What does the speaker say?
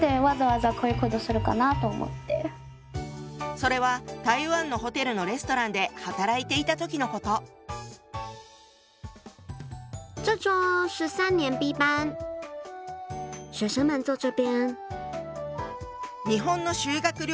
それは台湾のホテルのレストランで働いていた時のこと。をしていました。